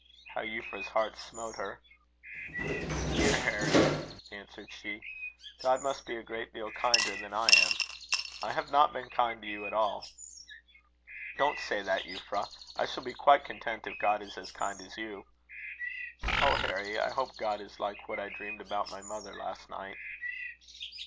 How Euphra's heart smote her! "Dear Harry," answered she, "God must be a great deal kinder than I am. I have not been kind to you at all." "Don't say that, Euphra. I shall be quite content if God is as kind as you." "Oh, Harry! I hope God is like what I dreamed about my mother last night."